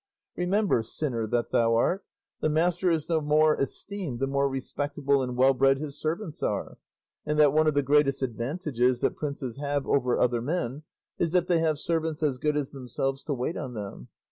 Remember, sinner that thou art, the master is the more esteemed the more respectable and well bred his servants are; and that one of the greatest advantages that princes have over other men is that they have servants as good as themselves to wait on them.